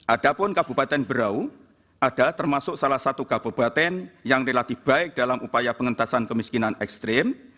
adapun kabupaten berau adalah termasuk salah satu kabupaten yang relatif baik dalam upaya pengentasan kemiskinan ekstrim